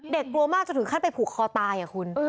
กลัวมากจนถึงขั้นไปผูกคอตายคุณ